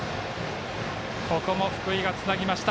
ここも福井がつなぎました。